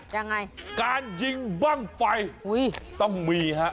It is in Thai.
ยังไงการยิงบ้างไฟอุ้ยต้องมีฮะ